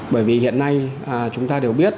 bởi vì hiện nay chúng ta đều biết